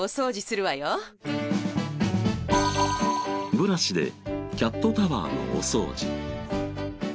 ブラシでキャットタワーのお掃除。